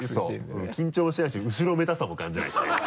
そう緊張もしてないし後ろめたさも感じないしね。